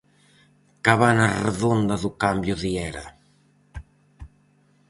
Cabana redonda do cambio de era.